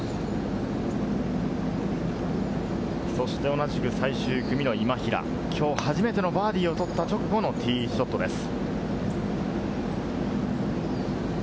同じく最終組の今平、きょう初めてのバーディーを取った直後のティーショットです。